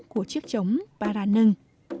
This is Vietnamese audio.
của chiếc trống paranưng